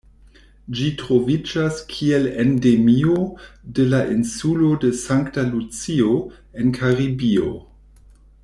Ĝi troviĝas kiel endemio de la insulo de Sankta Lucio en Karibio.